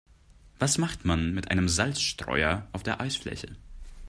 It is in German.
Was macht man mit einem Salzstreuer auf der Eisfläche?